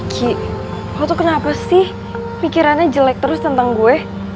ki lo tuh kenapa sih mikirannya jelek terus tentang gue